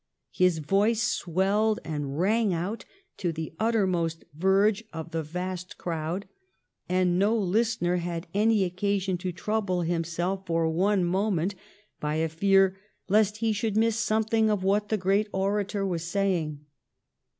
His voice swelled and rang out to the uttermost verge of the vast crowd, and no listener had any occasion to trouble himself for one moment by a fear lest he should miss something of what the great orator was saying.